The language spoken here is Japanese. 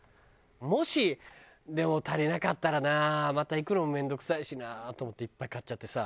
もしでも足りなかったらなまた行くのも面倒くさいしなと思っていっぱい買っちゃってさ。